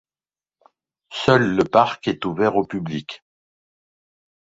Seul le parc est ouvert au public.